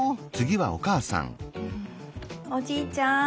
おじいちゃん？